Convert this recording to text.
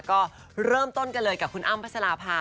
ก็เริ่มต้นกันเลยกับคุณอ้ำพัชราภา